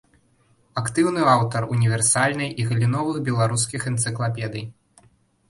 Актыўны аўтар універсальнай і галіновых беларускіх энцыклапедый.